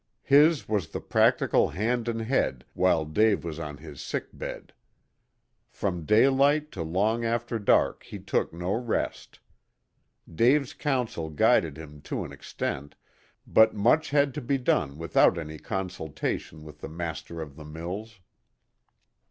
His was the practical hand and head while Dave was on his sick bed. From daylight to long after dark he took no rest. Dave's counsel guided him to an extent, but much had to be done without any consultation with the master of the mills.